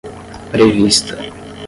prevista